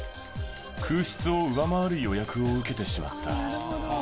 空室を上回る予約を受けてしまった。